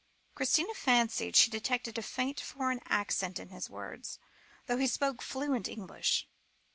Christina fancied she detected a faint foreign accent in his words, though he spoke fluent English.